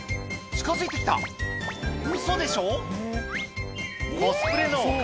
近づいてきたウソでしょ